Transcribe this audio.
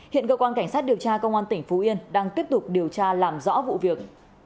hiện cơ quan cảnh sát điều tra công an tỉnh phú yên đang tiếp tục điều tra làm rõ vụ việc